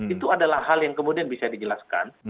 itu adalah hal yang kemudian bisa dijelaskan